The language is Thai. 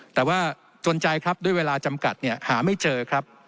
แต่ว่าจนใจครับด้วยเวลาจำกัดเนี่ยหาไม่เจอครับ